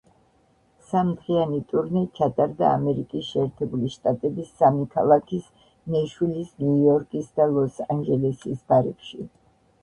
სამ დღიანი ტურნე ჩატარდა ამერიკის შეერთებული შტატების სამი ქალაქის, ნეშვილის, ნიუ-იორკის და ლოს-ანჯელესის ბარებში.